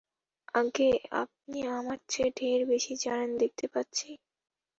আজ্ঞে, আপনি আমার চেয়ে ঢের বেশি জানেন দেখতে পাচ্ছি।